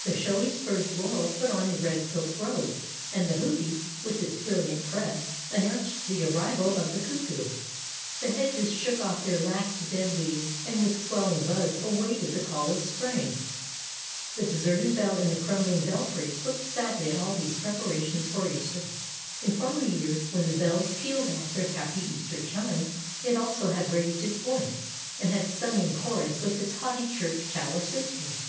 The showy spurge laurel put on a red silk robe, and the hoopee, with its brilliant crest, announced the arrival of the cuckoo. The hedges shook off their last dead leaves, and with swelling buds awaited the call of Spring. ii6 Tales of Modern Germany The deserted bell in the crumbling bel fry looked sadly at all these preparations for Easter. In former years, when the bells pealed out their happy Easter chimes, it also had raised its voice, and had sung in chorus with its haughty church tower sisters.